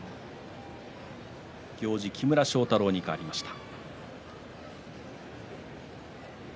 行司、木村庄太郎に変わりました。